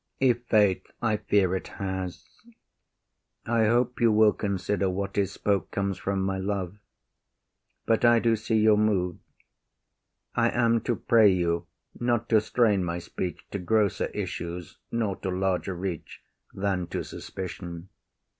IAGO. Trust me, I fear it has. I hope you will consider what is spoke Comes from my love. But I do see you’re mov’d. I am to pray you not to strain my speech To grosser issues nor to larger reach Than to suspicion.